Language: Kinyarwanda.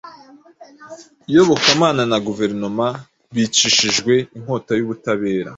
Iyobokamana na Guverinoma - Bicishijwe inkota y'Ubutabera,